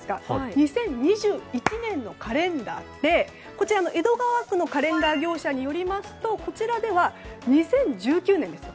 ２０２１年のカレンダーって江戸川区のカレンダー業者によりますとこちらでは、２０１９年です。